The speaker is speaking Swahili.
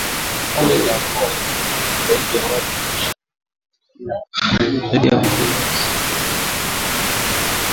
Kongo inaongeza zaidi ya watu milioni tisini katika Jumuiya ya Afrika Mashariki yenye watu milioni mia sabini na saba